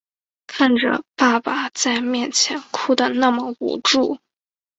看着爸爸在面前哭的那么无助